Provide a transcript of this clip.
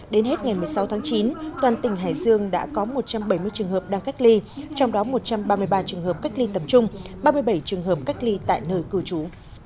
đến hết ngày một mươi sáu tháng chín toàn tỉnh hải dương đã có một trăm bảy mươi trường hợp đang cách ly trong đó một trăm ba mươi ba trường hợp cách ly tầm trung ba mươi bảy trường hợp cách ly tại nơi cư trú